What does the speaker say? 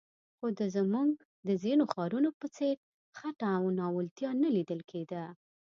خو د زموږ د ځینو ښارونو په څېر خټه او ناولتیا نه لیدل کېده.